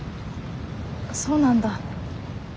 そうなんだ。